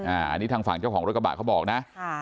อันนี้ทางฝั่งเจ้าของรถกระบะเขาบอกนะ